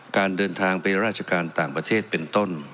การเดินทางไปราชการต่างประเทศเป็นต้น